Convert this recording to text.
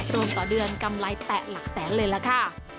รวมต่อเดือนกำไรแตะหลักแสนเลยล่ะค่ะ